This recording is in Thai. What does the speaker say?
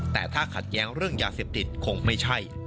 แต่ถ้าขัดแย้งเรื่องยาเสพติดคงไม่ใช่